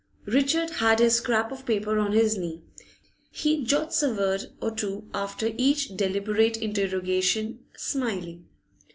Richard has his scrap of paper on his knee. He jots a word or two after each deliberate interrogation, smiling.